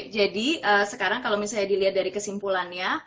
jadi sekarang kalau misalnya dilihat dari kesimpulannya